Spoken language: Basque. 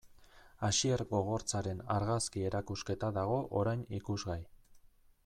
Asier Gogortzaren argazki erakusketa dago orain ikusgai.